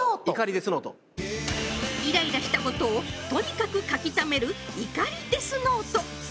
デスノートイライラしたことをとにかく書き溜める怒りデスノート